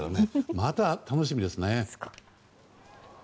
まだ楽しみですね。